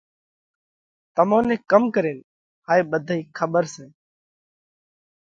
تمون نئہ ڪم ڪرينَ هائي ٻڌئِي کٻر سئہ؟